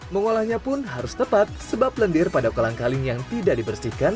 mengolahnya pun harus tepat sebab lendir pada kolang kaling yang tidak dibersihkan